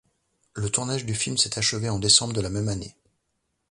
Le tournage du film s'est achevé en décembre de la même année.